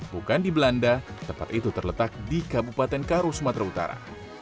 bukan di belanda tempat itu terletak di kabupaten karo sumatera utara